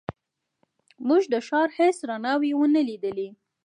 موږ د ښار هېڅ رڼاوې ونه لیدلې.